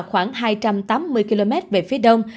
khoảng hai trăm tám mươi km về phía đông